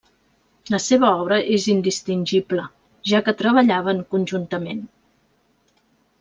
La seva obra és indistingible, ja que treballaven conjuntament.